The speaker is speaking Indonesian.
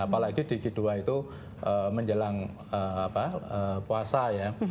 apalagi di q dua itu menjelang puasa ya